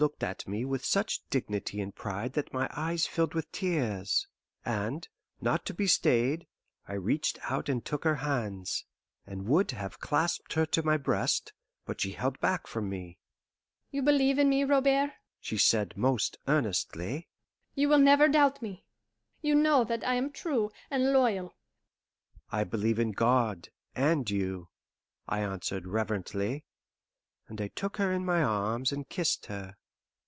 She looked at me with such dignity and pride that my eyes filled with tears, and, not to be stayed, I reached out and took her hands, and would have clasped her to my breast, but she held back from me. "You believe in me, Robert?" she said most earnestly. "You will never doubt me? You know that I am true and loyal." "I believe in God, and you," I answered reverently, and I took her in my arms and kissed her.